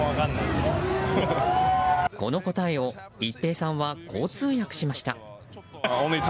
この答えを一平さんはこう通訳しました。